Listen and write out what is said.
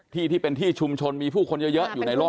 ที่เป็นที่ชุมชนมีผู้คนเยอะอยู่ในโลก